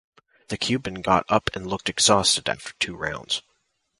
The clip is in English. The Cuban got up and looked exhausted after two rounds.